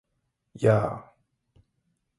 やー！！！